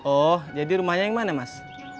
oh jadi rumahnya yang mana mas